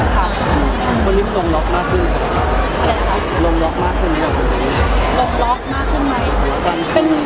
คนนี้มันลงล็อคมากขึ้นไหม